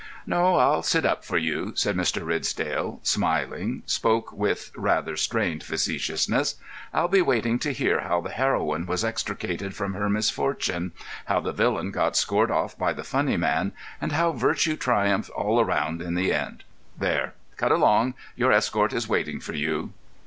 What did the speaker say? "No; I'll sit up for you," and Mr. Ridsdale, smiling, spoke with rather strained facetiousness. "I'll be waiting to hear how the heroine was extricated from her misfortunes, how the villain got scored off by the funny man, and how virtue triumphed all round in the end. There! Cut along. Your escort is waiting for you."